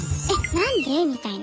なんで⁉みたいな。